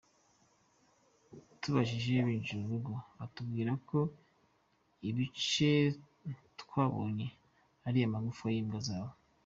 Tubajije banjiri urugo batubwira ko ibice twabonye ari amagufa y’imbwa zabo.